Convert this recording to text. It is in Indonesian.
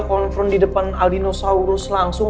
konfron di depan aldinosaurus langsung